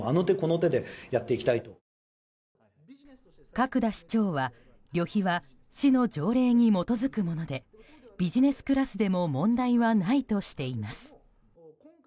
角田市長は旅費は市の条例に基づくものでビジネスクラスでも問題はないとしています。